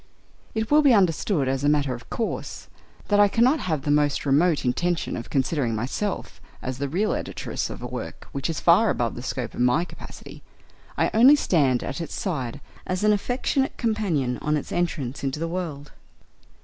It will be understood, as a matter of course, that I cannot have the most remote intention of considering myself as the real editress of a work which is far above the scope of my capacity: I only stand at its side as an affectionate companion on its entrance into the world.